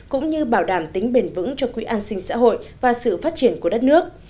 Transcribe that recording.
cũng như bảo đảm tính bền vững cho quỹ an sinh xã hội và sự phát triển của đất nước